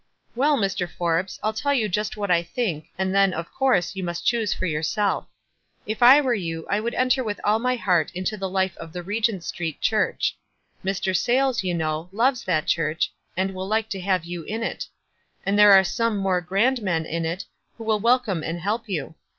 "Well, Mr. Forbes, 111 tell you just what I think, and then, of course, you must choose for yourself. If I were you I would enter with all my heart into the life of the Regeut Street Church. Mr. Sayles, you know, loves that church, and will like to have you in it ; and there are some more grand men in it, who will welcome and help you.